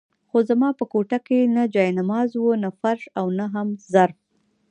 خو زما په کوټه کې نه جاینماز وو، نه فرش او نه هم ظرف.